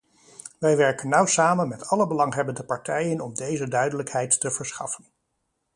Wij werken nauw samen met alle belanghebbende partijen om deze duidelijkheid te verschaffen.